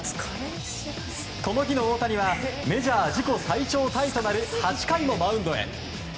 この日の大谷はメジャー自己最長タイとなる８回もマウンドへ。